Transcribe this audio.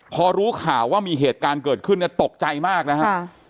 พอรู้ข่าวว่ามีเหตุการณ์เกิดขึ้นเนี่ยตกใจมากนะฮะ